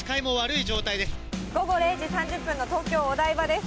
午後０時３０分の東京・お台場です。